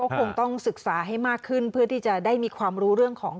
คงต้องศึกษาให้มากขึ้นเพื่อที่จะได้มีความรู้เรื่องของ